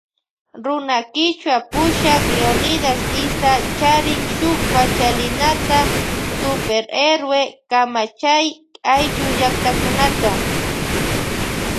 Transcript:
Runa kichwa pushak Leonidas Iza charin shuk pachalinata Super Héroe kamachay ayllu llaktakunata.